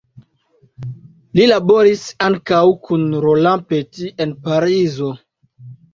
Li laboris ankaŭ kun Roland Petit en Parizo.